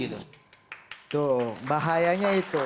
tuh bahayanya itu